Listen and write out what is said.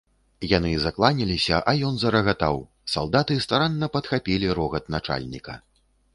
Яны закланяліся, а ён зарагатаў, салдаты старанна падхапілі рогат начальніка.